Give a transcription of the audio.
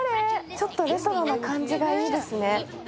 ちょっとレトロな感じがいいですね。